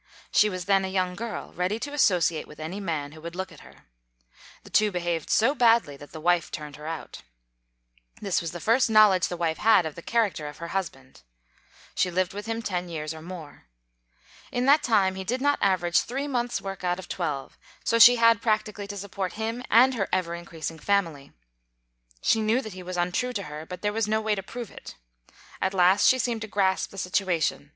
She was then a young girl, ready to associate with any man who would look at her. The two behaved so badly that the wife turned her out. This was the first knowledge the wife had of the character of her husband. She lived with him ten years or more. In that time he did not average three months' work out of twelve, so she had, practically, to support him and her ever increasing family. She knew that he was untrue to her, but there was no way to prove it. At last she seemed to grasp the situation.